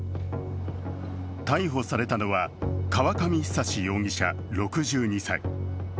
逮捕されたのは河上久容疑者６２歳。